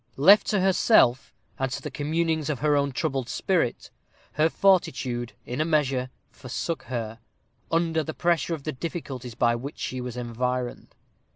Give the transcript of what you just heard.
Left to herself, and to the communings of her own troubled spirit, her fortitude, in a measure, forsook her, under the pressure of the difficulties by which she was environed.